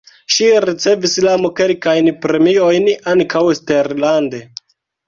Ŝi ricevis jam kelkajn premiojn (ankaŭ eksterlande).